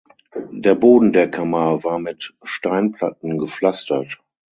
Der Boden der Kammer war mit Steinplatten gepflastert.